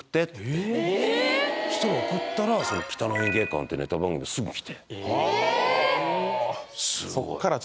したら送ったら「北野演芸館」ってネタ番組すぐ来てえ！